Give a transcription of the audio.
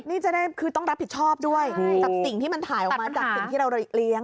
นี่จะได้คือต้องรับผิดชอบด้วยกับสิ่งที่มันถ่ายออกมาจากสิ่งที่เราเลี้ยง